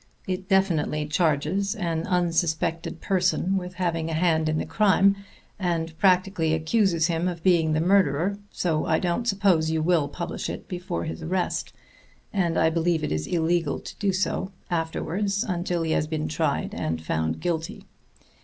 It definitely charges an unsuspected person with having a hand in the crime, and practically accuses him of being the murderer, so I don't suppose you will publish it before his arrest, and I believe it is illegal to do so afterwards until he has been tried and found guilty.